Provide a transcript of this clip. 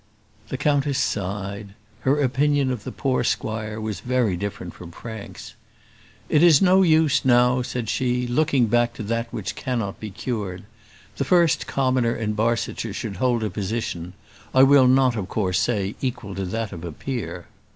The countess sighed. Her opinion of the poor squire was very different from Frank's. "It is no use now," said she, "looking back to that which cannot be cured. The first commoner in Barsetshire should hold a position I will not of course say equal to that of a peer."